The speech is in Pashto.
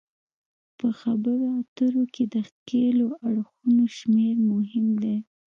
په خبرو اترو کې د ښکیلو اړخونو شمیر مهم دی